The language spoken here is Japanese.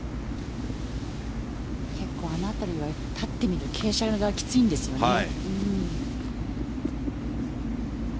結構、あの辺りは立ってみると傾斜がきついんですよね。